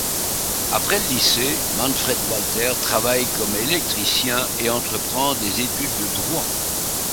Après le lycée, Manfred Walther travaille comme électricien et entreprend des études de droit.